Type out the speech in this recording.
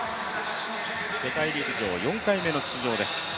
世界陸上４回目の出場です。